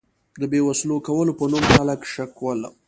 د بې وسلو کولو په نوم خلک شکول.